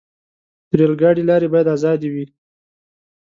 د ریل ګاډي لارې باید آزادې وي.